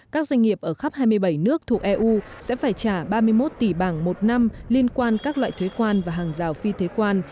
các doanh nghiệp ở khắp hai mươi bảy nước thuộc eu sẽ phải trả ba mươi một tỷ bảng một năm liên quan các loại thuế quan và hàng rào phi thuế quan